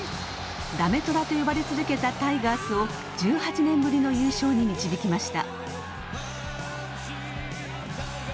ダメ虎と呼ばれ続けたタイガースを１８年ぶりの優勝に導きました。